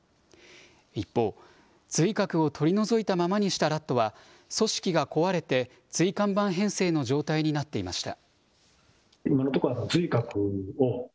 一方、髄核を取り除いたままにしたラットは組織が壊れて椎間板変性の状態になっていました。